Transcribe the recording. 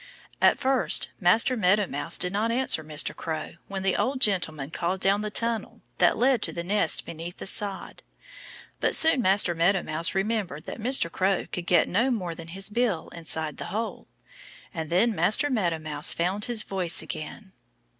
At first Master Meadow Mouse did not answer Mr. Crow when the old gentleman called down the tunnel that led to the nest beneath the sod. But soon Master Meadow Mouse remembered that Mr. Crow could get no more than his bill inside the hole. And then Master Meadow Mouse found his voice again.